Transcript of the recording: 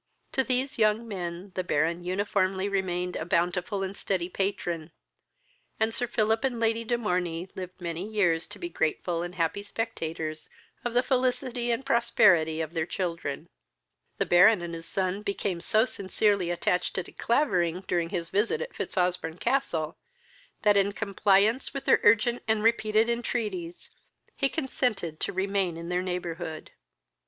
To these young men the Baron uniformly remained a bountiful and steady patron, and Sir Philip and Lady de Morney lived many years to be grateful and happy spectators of the felicity and prosperity of their children. The Baron and his son became so sincerely attached to De Clavering during his visit at Fitzosbourne castle, that, in compliance with their urgent and repeated entreaties, he consented to remain in their neighborhood.